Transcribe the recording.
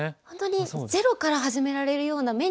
本当にゼロから始められるような。